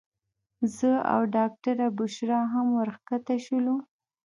زه او ډاکټره بشرا هم ورښکته شولو.